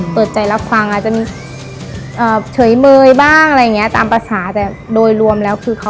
เขายอมหา